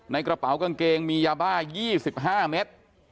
กระเป๋ากางเกงมียาบ้า๒๕เมตร